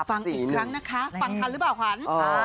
ฟังอีกครั้งนะคะฟังทันหรือเปล่าขวัญ